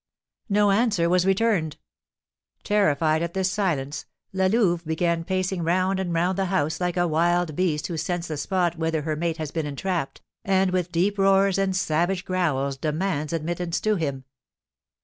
No answer was returned. Terrified at this silence, La Louve began pacing round and round the house like a wild beast who scents the spot whither her mate has been entrapped, and with deep roars and savage growls demands admittance to him.